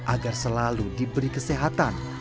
agar selalu diberi kesehatan